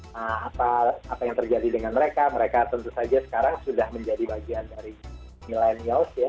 nah apa yang terjadi dengan mereka mereka tentu saja sekarang sudah menjadi bagian dari millennials ya